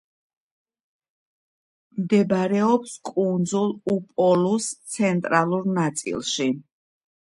მდებარეობს კუნძულ უპოლუს ცენტრალურ ნაწილში.